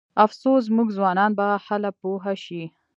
افسوس زموږ ځوانان به هله پوه شي.